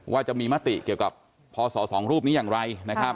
ว่าจะมีมติเกี่ยวกับพศ๒รูปนี้อย่างไรนะครับ